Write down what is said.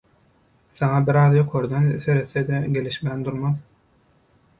Saňa biraz ýokardan seretse-de, gelişmän durmaz.